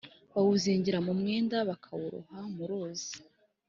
bawuzingira mu mwenda bakawuroha mu ruzi